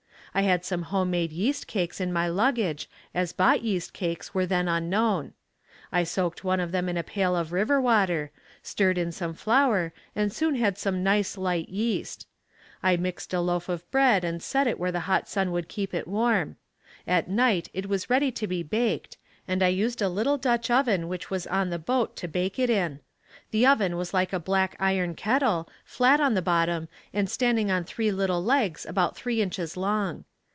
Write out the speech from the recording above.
I had some home made yeast cakes in my luggage as bought yeast cakes were then unknown. I soaked one of them in a pail of river water, stirred in some flour and soon had some nice light yeast. I mixed a loaf of bread and set it where the hot sun would keep it warm. At night it was ready to be baked and I used a little Dutch oven which was on the boat to bake it in. The oven was like a black iron kettle flat on the bottom and standing on three little legs about three inches long.